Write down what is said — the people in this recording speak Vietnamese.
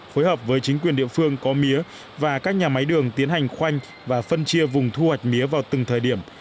phối hợp với chính quyền địa phương có mía và các nhà máy đường tiến hành khoanh và phân chia vùng thu hoạch mía vào từng thời điểm